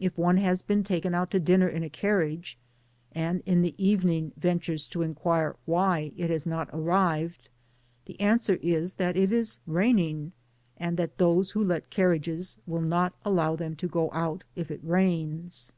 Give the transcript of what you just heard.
If one has been taken out to dinner in a carriage, and in the even ing ventures to inquire why it has not arrived, the answer is that it is raining, and that those who let carriages will not allow them to go out if it rtdns.